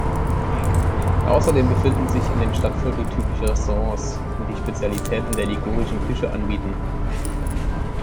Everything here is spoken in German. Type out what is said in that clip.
Außerdem befinden sich in dem Stadtviertel typische Restaurants, die Spezialitäten der ligurischen Küche anbieten.